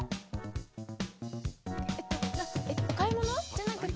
おかいものじゃなくて？